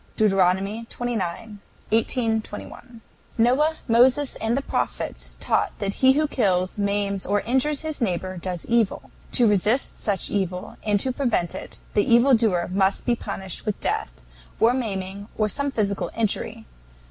DEUT. xix. 18, 21. Noah, Moses, and the Prophets taught that he who kills, maims, or injures his neighbors does evil. To resist such evil, and to prevent it, the evil doer must be punished with death, or maiming, or some physical injury.